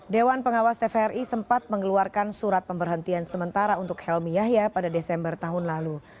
dewan pengawas tvri sempat mengeluarkan surat pemberhentian sementara untuk helmi yahya pada desember tahun lalu